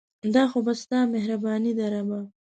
دا خو بس ستا مهرباني ده ربه